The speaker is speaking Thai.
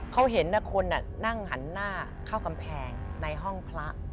เขาเห็นคนนั่งหันหน้าเข้ากำแพงในห้องพระ